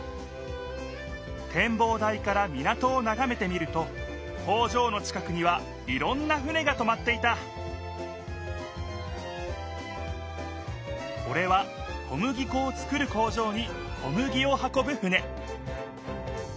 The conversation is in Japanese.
てんぼう台から港をながめてみると工場の近くにはいろんな船がとまっていたこれは小麦こを作る工場に小麦を運ぶ船